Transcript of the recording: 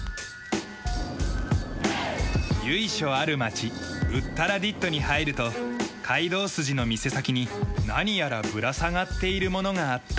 由緒ある町ウッタラディットに入ると街道筋の店先に何やらぶら下がっているものがあった。